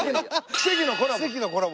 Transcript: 奇跡のコラボ。